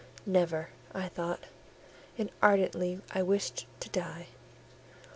"Never," I thought; and ardently I wished to die.